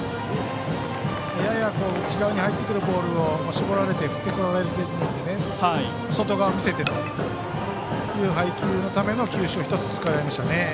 やや内側に入ってくるボールを絞られて振ってこられているので外側を見せてという配球のための球種を１つ使いましたね。